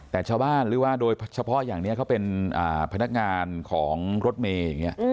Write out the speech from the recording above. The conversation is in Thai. แต่ชาวบ้านหรือว่าโดยเฉพาะอย่างนี้เขาเป็นพนักงานของรถเมย์อย่างนี้